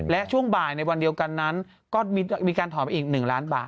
และช่วงบ่ายในวันเดียวกันนั้นก็มีการถอนไปอีก๑ล้านบาท